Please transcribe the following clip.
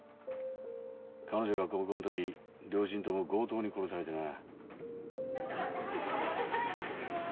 彼女が高校の時両親とも強盗に殺されてな。